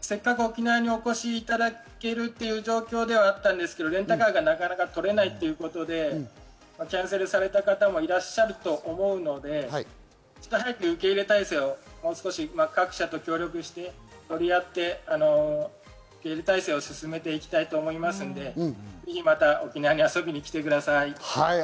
せっかく沖縄にお越しいただけるっていう状況ではあったんですけど、レンタカーがなかなか取れないということで、キャンセルされた方もいらっしゃると思うので、早く受け入れ体制を各社と協力して進めていきたいと思いますので、ぜひまた沖縄に遊びに来てください。